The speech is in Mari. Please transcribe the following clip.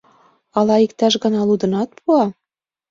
Ала иктаж гана лудынат пуа?